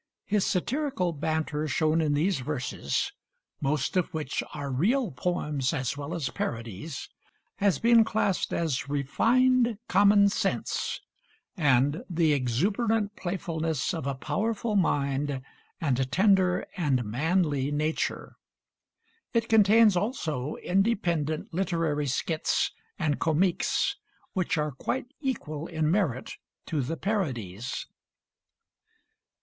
His satirical banter shown in these verses most of which are real poems as well as parodies has been classed as "refined common sense," and "the exuberant playfulness of a powerful mind and tender and manly nature." It contains also independent literary skits and comiques which are quite equal in merit to the parodies.